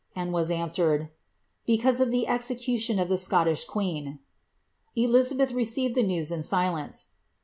and was answered, ''Because of the ncecijljoQ Scollish queen." EtiMbeih received the news in silence.'